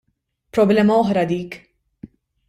Problema oħra dik.